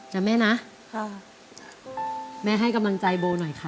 นะแม่นะค่ะแม่ให้กำลังใจโบหน่อยค่ะ